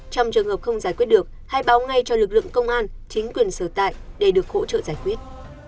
trong trường hợp không giải quyết được hãy báo ngay cho lực lượng công an chính quyền sở tại để được hỗ trợ giải quyết